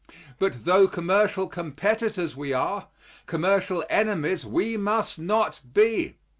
But tho commercial competitors we are, commercial enemies we must not be.